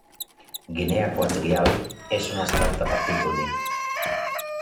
Guinea Equatorial és un estat de partit únic.